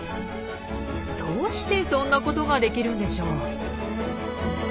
どうしてそんなことができるんでしょう。